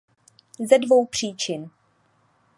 Ze dvou příčin.